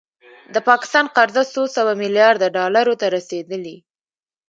د پاکستان قرضه څو سوه میلیارده ډالرو ته رسیدلې